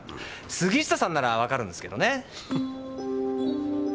杉下さんならわかるんですけどね。